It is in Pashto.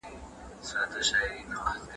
خوندي ساحه تل ګټوره نه ده.